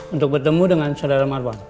untuk bertemu dengan saudara marwan